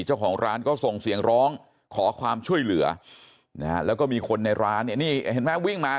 เจ้าของร้านก็ส่งเสียงร้องขอความช่วยเหลือนะฮะแล้วก็มีคนในร้านเนี่ยนี่เห็นไหมวิ่งมา